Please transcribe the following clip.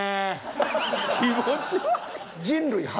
気持ち悪い。